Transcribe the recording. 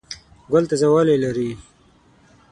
ګل تازه والی لري.